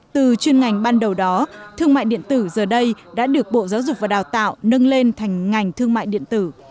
từ chuyên ngành ban đầu đó thương mại điện tử giờ đây đã được bộ giáo dục và đào tạo nâng lên thành ngành thương mại điện tử